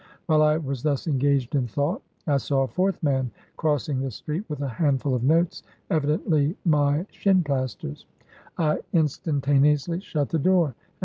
"While I was thus engaged in thought, I saw a fourth man crossing the street, with a handful of notes, evidently my l shin plasters. ' I in stantaneously shut the door, and.